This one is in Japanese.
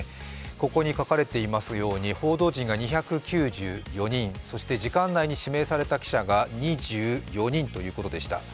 ここに書かれていますように報道陣が２９４人、そして時間内に指名された記者が２４人ということでした。